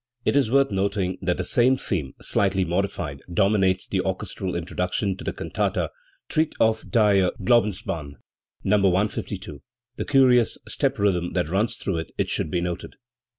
It is worth noting that the same theme, slightly modified, dominates the orchestral introduction to the cantata Tritt auf die Glaubensbahn (No, 152), The curious step rhythm that runs through it should be noted.